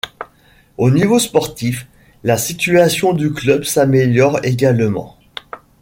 Au niveau sportif, la situation du club s'améliore également.